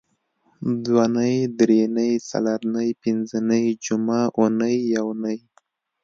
دونۍ درېنۍ څلرنۍ پینځنۍ جمعه اونۍ یونۍ